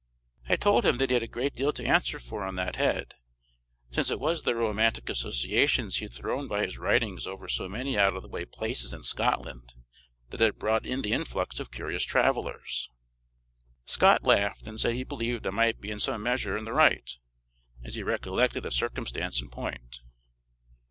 I told him that he had a great deal to answer for on that head, since it was the romantic associations he had thrown by his writings over so many out of the way places in Scotland, that had brought in the influx of curious travellers. Scott laughed, and said he believed I might be in some measure in the right, as he recollected a circumstance in point.